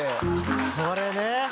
それね。